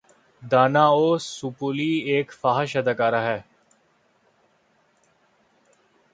دانا وسپولی ایک فحش اداکارہ ہے